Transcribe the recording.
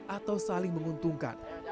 atau saling menguntungkan